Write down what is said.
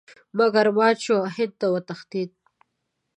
مګر مات شو او هند ته وتښتېد.